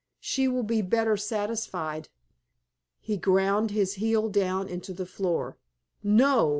"She will be better satisfied." He ground his heel down into the floor. "No!